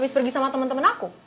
abis pergi sama temen temen aku